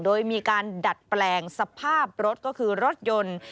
โดยมีการดัดแปลงสภาพรถก็คือรถยนต์